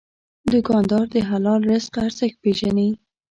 دوکاندار د حلال رزق ارزښت پېژني.